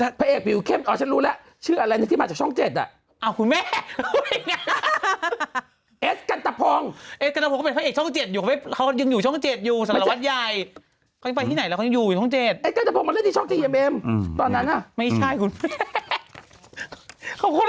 เดียวพบชื่อแบบตัวเอาศรนี้คือพิเศษเฉพาะมาก